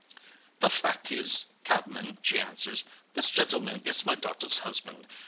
"'The fact is, cabman,' she answers, 'this gentleman is my daughter's husband.